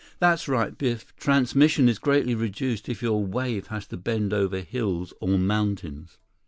"That's right, Biff. Transmission is greatly reduced if your wave has to bend over hills or mountains."